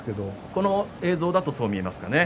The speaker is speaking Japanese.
この映像だとそう見えますかね。